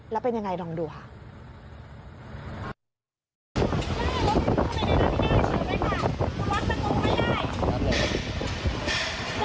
แล้วเป็นยังไงลองดูค่ะ